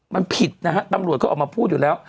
มันผิดนะฮะตำรวจก็ออกมาพูดอยู่แล้ว